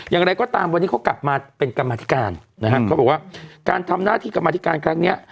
อย่างไรก็ตามวันนี้เขากลับมาเป็นกรรมธิการนะครับเขาบอกว่าการทำหน้าที่กรรมธิการครั้งนี้